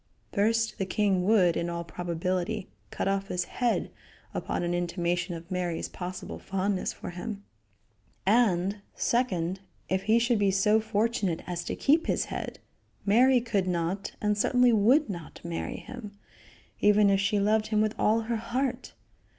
First, the king would, in all probability, cut off his head upon an intimation of Mary's possible fondness for him; and, second, if he should be so fortunate as to keep his head, Mary could not, and certainly would not, marry him, even if she loved him with all her heart.